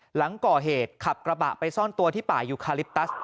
หลังก่อเหตุขับกระบะไปซ่อนตัวที่ป่ายูคาลิปตัส